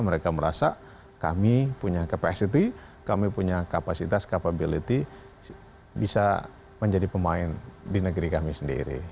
mereka merasa kami punya capacity kami punya kapasitas capability bisa menjadi pemain di negeri kami sendiri